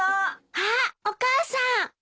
あっお母さん！